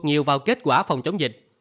nhiều vào kết quả phòng chống dịch